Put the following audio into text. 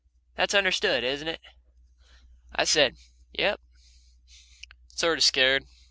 "That's understood, isn't it?" I said, "Yep," sort of scared.